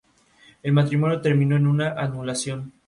Sin embargo, este triunfo resultó durar poco tiempo.